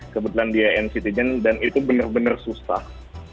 kebetulan dia nctigen dan itu benar benar susah